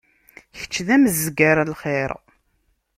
Kečč d amezzgar n lxiṛ.